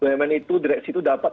bumn itu direksi itu dapat